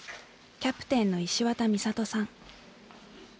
キャプテンの石渡美里さん。